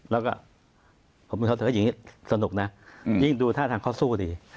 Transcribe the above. แล้วก็ผมเข้าใจว่าอย่างนี้สนุกนะยิ่งดูท่าทางข้อสู้ดี